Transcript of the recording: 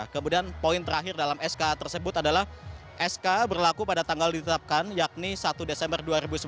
kemudian poin terakhir dalam sk tersebut adalah sk berlaku pada tanggal ditetapkan yakni satu desember dua ribu sembilan belas